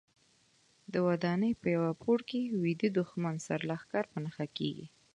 د ودانۍ په یوه پوړ کې ویده دوښمن سرلښکر په نښه کېږي.